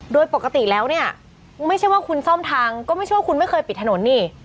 โดยปกติแล้วเนี่ยไม่ใช่ว่าคุณซ่อมทางก็ไม่เชื่อว่าคุณไม่เคยปิดถนนนี่